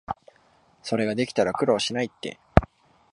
それができたら苦労しないって